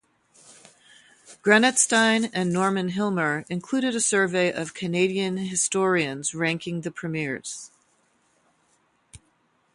Granatstein and Norman Hillmer included a survey of Canadian historians ranking the Premiers.